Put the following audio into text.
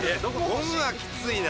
ゴムはきついな。